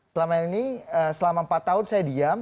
selama ini selama empat tahun saya diam